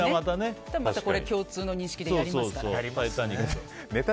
共通の認識でやりますからね。